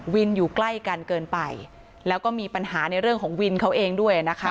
อยู่ใกล้กันเกินไปแล้วก็มีปัญหาในเรื่องของวินเขาเองด้วยนะคะ